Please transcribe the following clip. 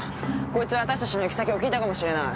こいつは私たちの行き先を聞いたかもしれない。